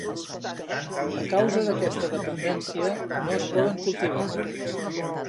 A causa d'aquesta dependència no es poden cultivar.